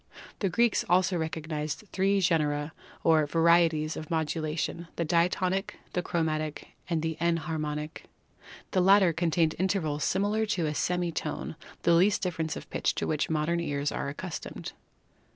The Greeks also recog nised three genera or varieties of modulation — the Diatonic, the Chromatic and the Enharmonic. The latter contained intervals smaller than a semi tone — the least difference of pitch to which modern ears are accustomed.